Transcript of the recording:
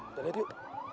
udah liat yuk